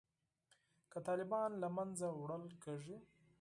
که طالبان له منځه وړل کیږي